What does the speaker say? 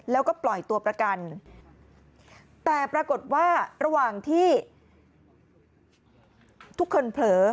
แล้วก็ปล่อยตัวประกันแต่ปรากฏว่าระหว่างที่ทุกคนเผลอ